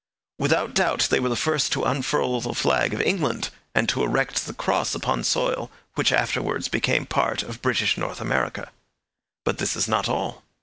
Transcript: Without doubt they were the first to unfurl the flag of England, and to erect the cross upon soil which afterwards became part of British North America. But this is not all.